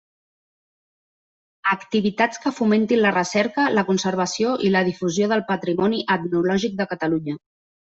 Activitats que fomentin la recerca, la conservació i la difusió del patrimoni etnològic de Catalunya.